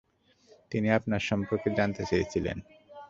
তিনি আপনার সম্পর্কে জানতে চেয়েছিলেন।